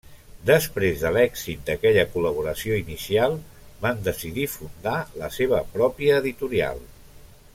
Després de l'èxit d'aquella col·laboració inicial, van decidir fundar la seva pròpia editorial.